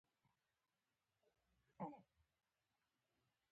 راڅخه پټ شول.